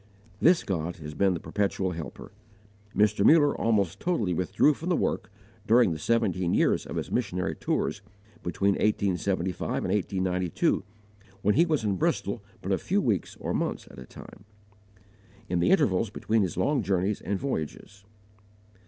"_ This God has been the perpetual helper. Mr. Muller almost totally withdrew from the work, during the seventeen years of his missionary tours, between 1875 and 1892, when he was in Bristol but a few weeks or months at a time, in the intervals between his long journeys and voyages.